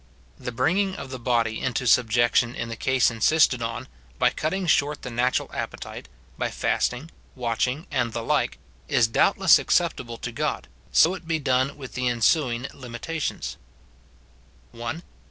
The bringing of the body into subjec tion in the case insisted on, by cutting short the natural appetite, by fasting, watching, and the like, is doubtless acceptable to God, so it be done with the ensuing limita tions :— (1.)